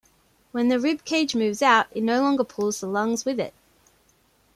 When the rib cage moves out, it no longer pulls the lungs with it.